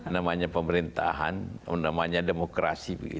namanya pemerintahan namanya demokrasi